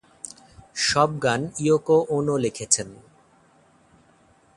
সব গান Yoko Ono লিখেছেন।